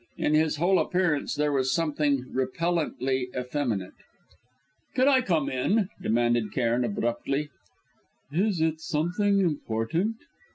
In his whole appearance there was something repellently effeminate. "Can I come in?" demanded Cairn abruptly. "Is it something important?"